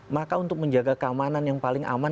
maka untuk menjaga keamanan yang paling aman